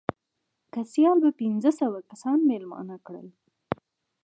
که سیال به پنځه سوه کسان مېلمانه کړل.